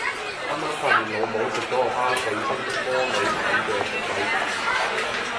啱啱發現老母食咗我包水星的魔女版嘅粟米片